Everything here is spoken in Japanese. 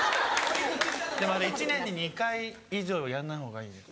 でもあれ１年に２回以上やんない方がいいです。